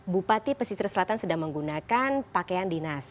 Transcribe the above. bupati pesisir selatan sedang menggunakan pakaian dinas